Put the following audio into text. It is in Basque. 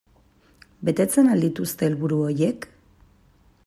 Betetzen al dituzte helburu horiek?